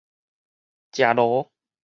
食爐